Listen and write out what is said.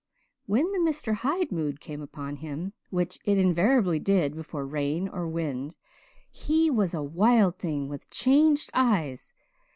When the Mr. Hyde mood came upon him which it invariably did before rain, or wind he was a wild thing with changed eyes.